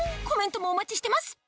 コメントもお待ちしてます